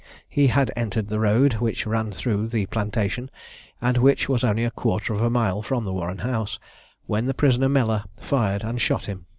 He had entered the road, which ran through the plantation, and which was only a quarter of a mile from the Warren house, when the prisoner Mellor fired and shot him.